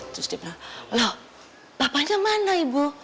terus dia bilang loh bapaknya mana ibu